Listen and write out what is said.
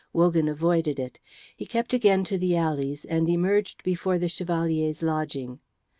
Wogan avoided it; he kept again to the alleys and emerged before the Chevalier's lodging.